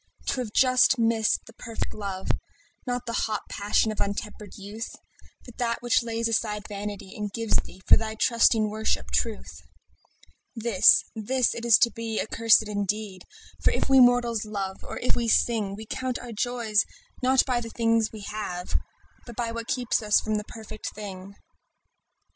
To have just missed the perfect love, Not the hot passion of untempered youth, But that which lays aside its vanity And gives thee, for thy trusting worship, truth— This, this it is to be accursed indeed; For if we mortals love, or if we sing, We count our joys not by the things we have, But by what kept us from the perfect thing.